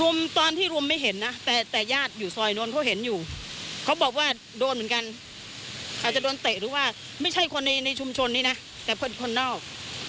ตอนที่รุมไม่เห็นนะแต่แต่ญาติอยู่ซอยนู้นเขาเห็นอยู่เขาบอกว่าโดนเหมือนกันอาจจะโดนเตะหรือว่าไม่ใช่คนในในชุมชนนี้นะแต่เป็นคนนอก